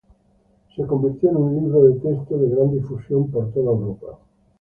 Se convirtió en un libro de texto de gran difusión en toda Europa.